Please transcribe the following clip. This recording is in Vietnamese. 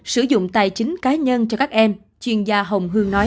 sử dụng tài chính cá nhân cho các em chuyên gia hồng hương nói